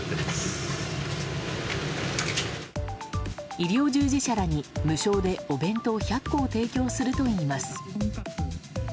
医療従事者らに無償でお弁当１００個を提供するといいます。